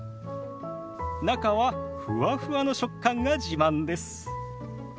中はふわふわの食感が自慢です。